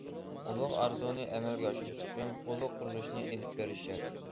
ئۇلۇغ ئارزۇنى ئەمەلگە ئاشۇرۇش ئۈچۈن، ئۇلۇغ قۇرۇلۇشنى ئېلىپ بېرىش شەرت.